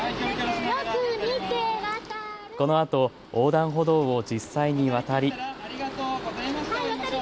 このあと横断歩道を実際に渡り。